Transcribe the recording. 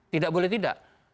tidak boleh tidak